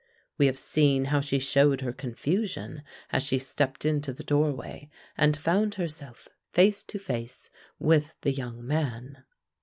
We have seen how she showed her confusion as she stepped into the doorway and found herself face to face with the young man.